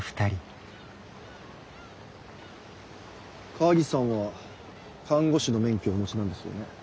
川岸さんは看護師の免許をお持ちなんですよね？